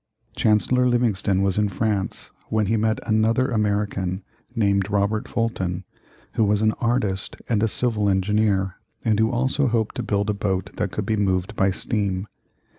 Chancellor Livingston was in France when he met another American, named Robert Fulton, who was an artist and a civil engineer, and who also hoped to build a boat that could be moved by steam.